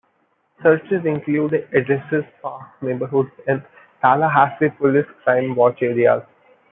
Searches include addresses, parks, neighborhoods and Tallahassee Police Crime Watch areas.